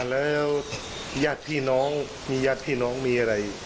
แล้วญาติพี่น้องมีญาติพี่น้องมีอะไร